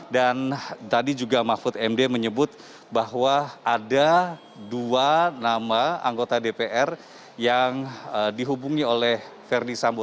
dan tadi juga mahfud md menyebut bahwa ada dua nama anggota dpr yang dihubungi oleh ferdis sambo